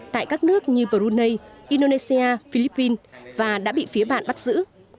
tại các nước như brunei indonesia philippines và đã bị phía bạn bắt giữ